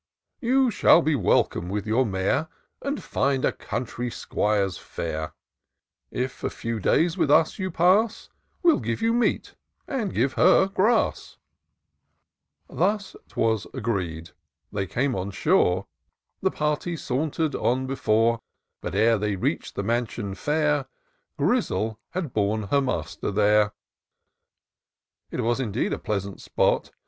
You shall be welcome with your mare, And find a country 'Squire's fare : i 156 TOUR OF DOCTOR SYNTAX If a few days with us you pass, — Well give you meat — ^and give her grass." Thua *twas agreed ; they came on shore^ The party saunter'd on before ; But, ere they reach'd the mansion fair. Grizzle had borne her master there. It was indeed a pleasant spot.